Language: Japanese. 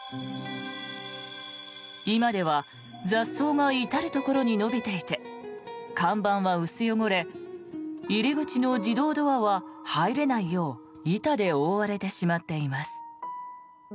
今では雑草が至るところに伸びていて看板は薄汚れ入り口の自動ドアは入れないよう板で覆われてしまっています。